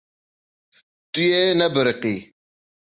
Tu yê nebiriqî.